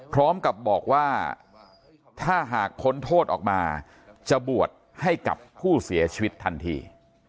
พร้อมกับบอกว่าถ้าหากพ้นโทษออกมาจะบวชให้กับผู้เสียชีวิตทันที